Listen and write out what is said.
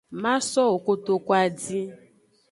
Masowo koto adin.